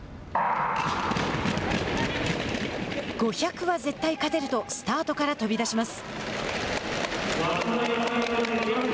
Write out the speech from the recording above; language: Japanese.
５００は絶対勝てるとスタートから飛び出します。